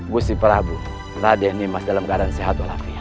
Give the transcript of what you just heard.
busi prabu raden nimas dalam keadaan sehat walafiat